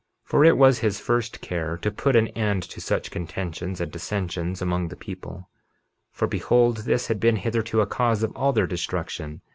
51:16 For it was his first care to put an end to such contentions and dissensions among the people; for behold, this had been hitherto a cause of all their destruction.